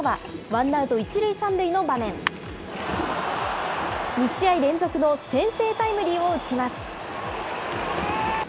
ワンアウト１塁３塁の場面、２試合連続の先制タイムリーを打ちます。